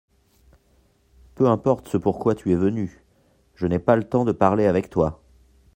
Peu importe ce pourquoi tu es venu, je n’ai pas le temps de parler avec toi.